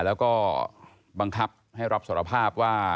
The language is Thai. แล้วก็บังคับให้รับสารภาพว่า